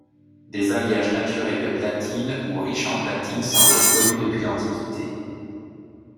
Des alliages naturels de platine ou riches en platine semblent connus depuis l’antiquité.